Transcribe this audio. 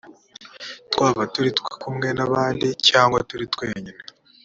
twaba turi kumwe n’abandi cyangwa turi twenyine.